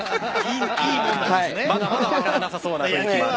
まだまだ分からなさそうな。